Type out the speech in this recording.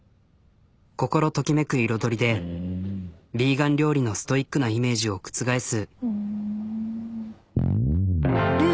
心ときめく彩りでヴィーガン料理のストイックなイメージを覆す。